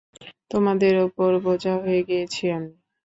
তোমাদের ওপর বোঝা হয়ে গিয়েছি আমি।